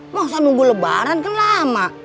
masa nunggu lebaran kan lama